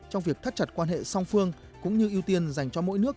trong việc thắt chặt quan hệ song phương cũng như ưu tiên dành cho mỗi nước